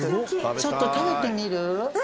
ちょっと食べてみる？